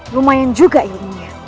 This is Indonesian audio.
lumayan juga ini